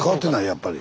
やっぱり。